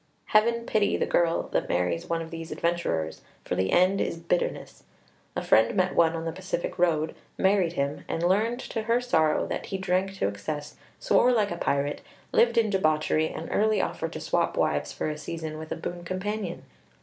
Heaven pity the girl that marries one of these adventurers, for the end is bitterness! A friend met one on the Pacific road, married him, and learned to her sorrow that he drank to excess, swore like a pirate, lived in debauchery, and early offered to swap wives for a season with a boon companion.